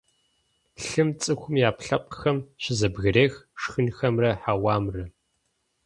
Лъым цӀыхум и Ӏэпкълъэпкъхэм щызэбгрех шхынхэмрэ хьэуамрэ.